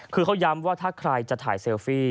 คือเขาย้ำว่าถ้าใครจะถ่ายเซลฟี่